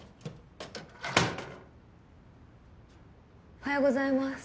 おはようございます。